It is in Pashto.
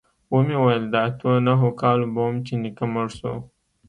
ومې ويل د اتو نهو کالو به وم چې نيکه مړ سو.